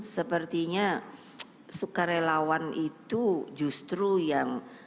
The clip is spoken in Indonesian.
sepertinya suka relawan itu justru yang